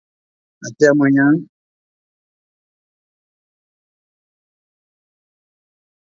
Tá uma canseira